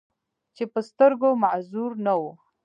چې پۀ سترګو معذور نۀ وو،